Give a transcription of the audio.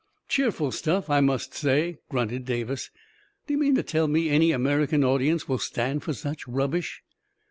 " Cheerful stuff, I must say !" grunted Davis. " Do you mean to tell me any American audience will stand for such rubbish